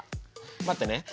待ってね。